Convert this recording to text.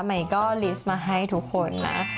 ใหม่ก็ลิสต์มาให้ทุกคนนะ